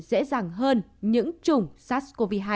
dễ dàng hơn những chủng sars cov hai